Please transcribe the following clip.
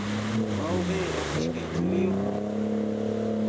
Wawqiiqa ishkay churiyuqmi.